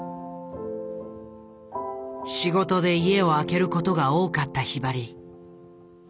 仕事で家を空ける事が多かったひばり。